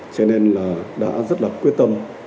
cho nên là đã rất là quyết tâm